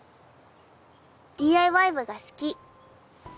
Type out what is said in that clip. ＤＩＹ部が好き。